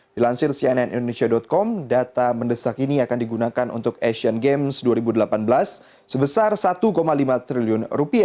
dilansir cnn indonesia com data mendesak ini akan digunakan untuk asian games dua ribu delapan belas sebesar rp satu lima triliun